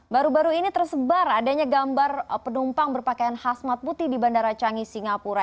baru baru ini tersebar adanya gambar penumpang berpakaian hasmat putih di bandara canggih singapura